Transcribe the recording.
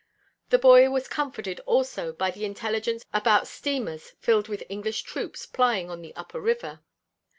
The boy was comforted also by the intelligence about steamers filled with English troops plying on the upper river.